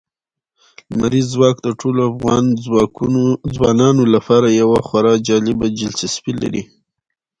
لمریز ځواک د ټولو افغان ځوانانو لپاره یوه خورا جالب دلچسپي لري.